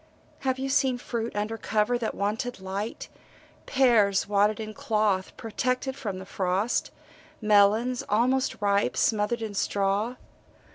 Have you seen fruit under cover that wanted light pears wadded in cloth, protected from the frost, melons, almost ripe, smothered in straw?